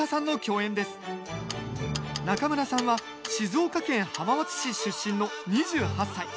中村さんは静岡県浜松市出身の２８歳。